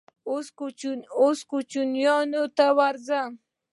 _اوس کوچيانو ته ورځم.